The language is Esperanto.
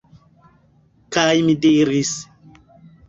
Kaj mi diris: